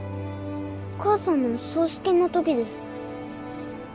お母さんのお葬式の時です。